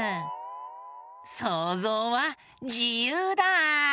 そうぞうはじゆうだ！